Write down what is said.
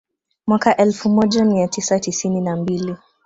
Mwaka elfu moja mia tisa tisini na mbili